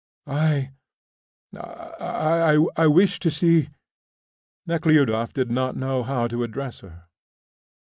"I, I I wished to see " Nekhludoff did not know how to address her.